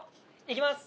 いきます。